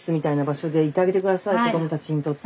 子どもたちにとって。